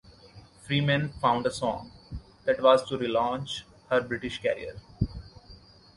Freeman found a song that was to relaunch her British career.